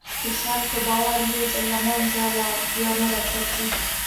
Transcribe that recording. د خلکو باور یو ځل له منځه لاړ، بیا نه راګرځي.